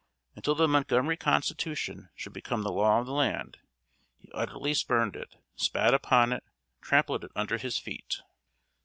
Until the Montgomery constitution should become the law of the land, he utterly spurned it, spat upon it, trampled it under his feet.